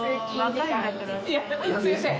すいません。